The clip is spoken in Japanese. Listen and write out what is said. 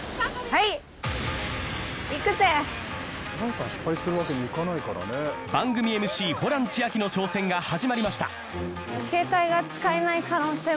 はいいくぜ番組ＭＣホラン千秋の挑戦が始まりました